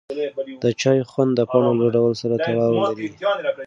د چای خوند د پاڼو له ډول سره تړاو لري.